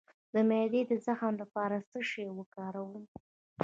د معدې د زخم لپاره باید څه شی وکاروم؟